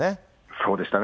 そうでしたね。